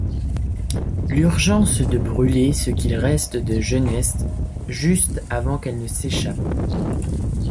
L’urgence de brûler ce qu’il reste de jeunesse juste avant qu’elle ne s’échappe.